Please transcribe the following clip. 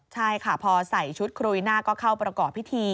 ใช่ค่ะพอใส่ชุดครุยหน้าก็เข้าประกอบพิธี